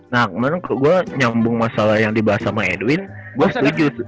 nah menurut gua nyambung masalah yang dibahas sama edwin gua lucu